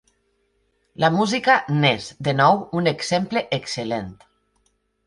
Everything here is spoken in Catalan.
La música n'és, de nou, un exemple excel·lent.